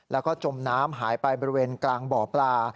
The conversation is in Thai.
แล้วก็จมน้ำหายไปบริเวณกลางบ่อปลา